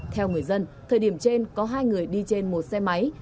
theo người dân thời điểm trên có hai người đi trên một xe máy